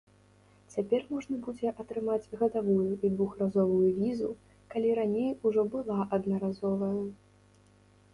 Цяпер можна будзе атрымаць гадавую і двухразовую візу, калі раней ужо была аднаразовая.